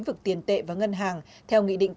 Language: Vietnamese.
qua các tổ chức được ngân hàng nhà nước cho phép